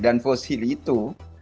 dan fosil itu